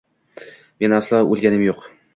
Men aslo o’lganim yo’q…